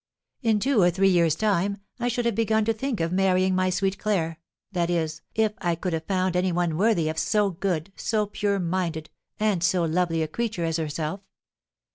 In two or three years' time I should have begun to think of marrying my sweet Claire, that is, if I could have found any one worthy of so good, so pure minded, and so lovely a creature as herself.